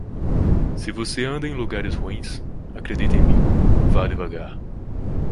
Se você anda em lugares ruins, acredite em mim, vá devagar.